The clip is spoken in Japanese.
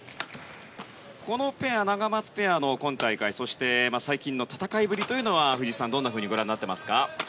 ナガマツペアの今大会そして最近の戦いぶりは藤井さん、どんなふうにご覧になっていますか？